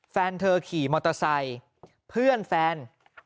แฟนเธอขี่มอเตอร์ไซค์เพื่อนแฟน